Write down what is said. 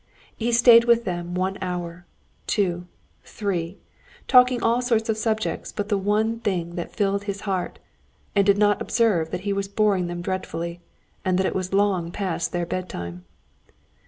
He stayed with them one hour, two, three, talking of all sorts of subjects but the one thing that filled his heart, and did not observe that he was boring them dreadfully, and that it was long past their bedtime.